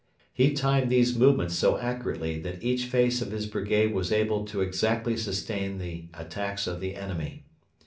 He timed these movements so accurately that each face of his brigade was able to exactly sustain the attacks of the enemy.